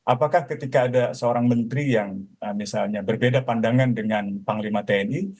apakah ketika ada seorang menteri yang misalnya berbeda pandangan dengan panglima tni